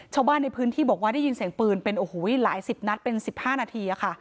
ชาวบ้านในพื้นที่บอกว่าได้ยินเสียงปืนเป็นโอ้โหหลายสิบนัดเป็น๑๕นาทีค่ะ